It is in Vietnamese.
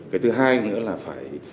cái thứ hai nữa là phải